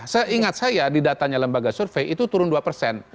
seingat saya di datanya lembaga survei itu turun dua persen